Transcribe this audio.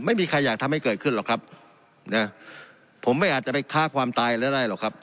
ไม่มีใครอยากทำให้เกิดขึ้นหรอกครับนะผมไม่อาจจะไปฆ่าความตายแล้วได้หรอกครับ